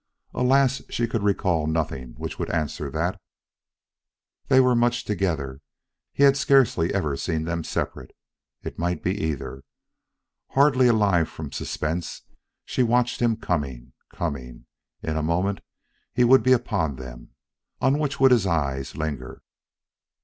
Alas! she could recall nothing which would answer that. They were much together; he had scarcely ever seen them separate. It might be either Hardly alive from suspense, she watched him coming coming. In a moment he would be upon them. On which would his eyes linger?